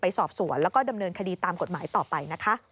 สอบสวนแล้วก็ดำเนินคดีตามกฎหมายต่อไปนะคะ